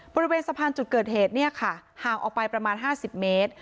บริเวณสะพานจุดเกิดเหตุเนี่ยค่ะห่างออกไปประมาณ๕๐เมตร